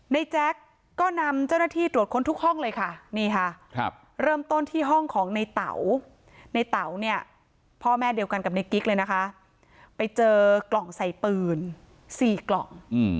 แจ๊กก็นำเจ้าหน้าที่ตรวจค้นทุกห้องเลยค่ะนี่ค่ะเริ่มต้นที่ห้องของในเต๋าในเต๋าเนี่ยพ่อแม่เดียวกันกับในกิ๊กเลยนะคะไปเจอกล่องใส่ปืน๔กล่อง